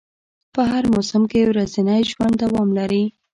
په هر موسم کې ورځنی ژوند دوام لري